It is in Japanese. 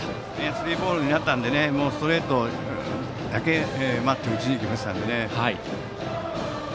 スリーボールになったのでストレートだけを待って打ちに行きましたね。